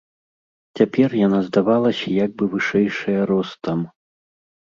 Цяпер яна здавалася як бы вышэйшая ростам.